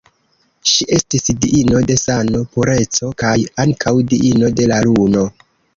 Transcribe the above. Ŝi estis diino de sano, pureco kaj ankaŭ diino de la Luno.